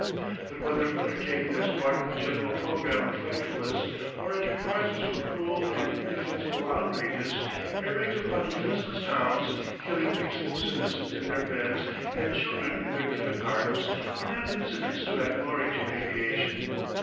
But whether undertaken as part of a general programme of frightfulness or as reprisals for cruel and indefensible outrages air raids upon defenceless towns, killing peaceable citizens in their beds, and children in their kindergartens, are not incidents to add glory to aviation.